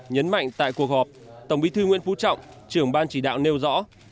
nhấn mạnh tại cuộc họp tổng bí thư nguyễn phú trọng trưởng ban chỉ đạo nêu rõ